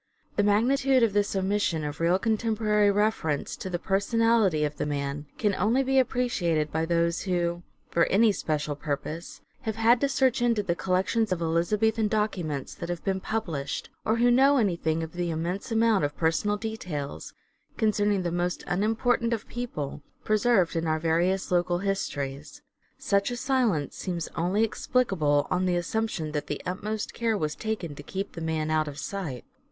The magnitude of this omission of real contemporary reference to the personality of the man can only be appreciated by those who, for any special purpose, have had to search into the collections of Elizabethan documents that have been published, or who know anything of the immense amount of personal details, concerning the most unimportant of people, preserved in our various local histories. Such a silence seems only explicable on the assumption that the utmost care was taken to keep the man out of sight.